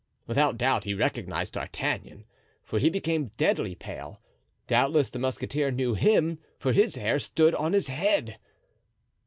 Without doubt he recognized D'Artagnan, for he became deadly pale; doubtless the musketeer knew him, for his hair stood up on his head.